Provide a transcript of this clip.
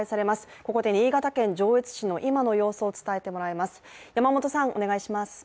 ここで新潟県上越市の今の様子を伝えてもらいます。